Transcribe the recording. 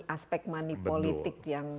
aspek money politik yang